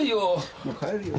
もう帰るよ。